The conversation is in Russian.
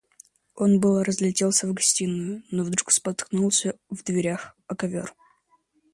Он было разлетелся в гостиную, но вдруг споткнулся в дверях о ковер.